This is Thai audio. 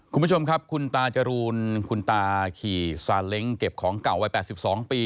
คุณผู้ชมครับคุณตาจรูนคุณตาขี่ซาเล้งเก็บของเก่าวัย๘๒ปี